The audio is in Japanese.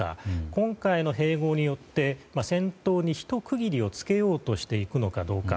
今回の併合によって戦闘にひと区切りをつけようとしていくのかどうか。